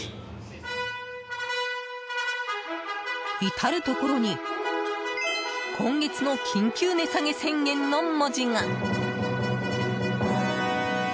至るところに今月の緊急値下げ宣言の文字が。